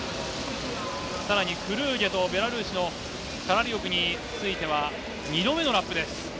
さらにクルーゲとベラルーシのカラリオクについては、２度目のラップです。